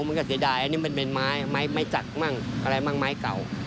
มันก็เสียดายอันนี้มันเป็นไม้ไม้จักรมั่งอะไรมั่งไม้เก่า